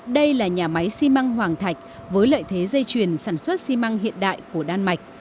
đây là nhà máy xi măng hoàng thạch với lợi thế dây chuyền sản xuất xi măng hiện đại của đan mạch